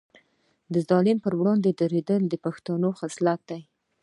د ظالم پر وړاندې دریدل د پښتون خصلت دی.